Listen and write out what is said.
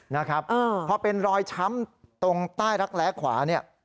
นะครับพอเป็นรอยช้ำตรงใต้รักแร้ขวาเนี่ย